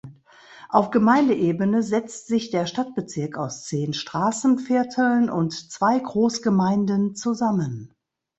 Auf Gemeindeebene setzt sich der Stadtbezirk aus zehn Straßenvierteln und zwei Großgemeinden zusammen.